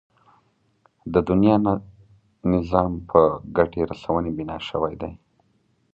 د دنيا نظام په ګټې رسونې بنا شوی دی.